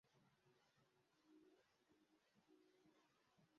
Abdallah Murenzi